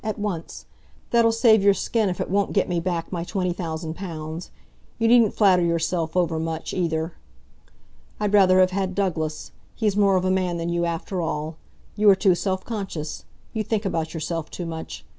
at once. That'll save your skin if it won't get me back my twenty thousand pounds. You needn't flatter yourself overmuch, either. I'd rather have had Douglas. He's more of a man than you, after all. You are too self conscious. You think about yourself too much.